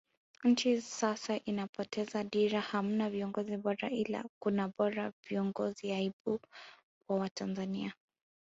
Nchi sasa inapoteza dira hamna viongozi bora ila kuna bora viongozi aibu kwa Watanzania